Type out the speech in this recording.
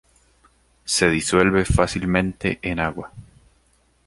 Se disuelve fácilmente en agua.